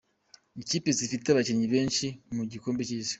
Ikipe zifite abakinnyi benshi mu gikombe cy’Isi.